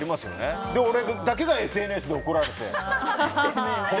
それで俺だけがＳＮＳで怒られて。